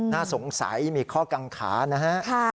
น่าสงสัยมีข้อกังขานะฮะ